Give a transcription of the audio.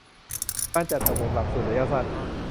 การจัดอบรมหลักสูตรระยะสั้น